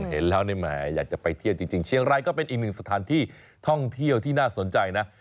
เห็นแล้วแหมอยากจะไปเที่ยวจริงเชียงรายก็เป็นอีกหนึ่งสถานที่ท่องเที่ยวที่น่าสนใจนะ